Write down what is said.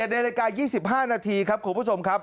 ๑นาฬิกา๒๕นาทีครับคุณผู้ชมครับ